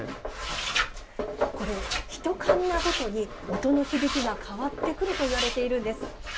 これひとカンナごとに音の響きが変わってくるといわれているんです。